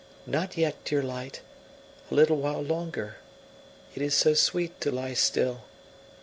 Not yet, dear light; a little while longer, it is so sweet to lie still.